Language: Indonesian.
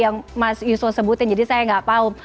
yang mas yusuf sebutin jadi saya nggak tahu